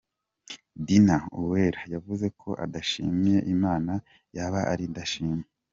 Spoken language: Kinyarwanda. Dinah Uwera yavuze ko adashimye Imana yaba ari indashima.